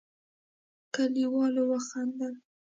کليوالو وخندل.